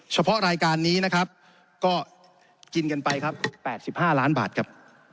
เฉพาะรายการนี้นะครับก็กินกันไปครับ๘๕ล้านบาทครับ